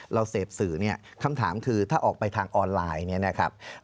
เราเสพสื่อเนี่ยคำถามคือถ้าออกไปทางออนไลน์เนี่ยนะครับ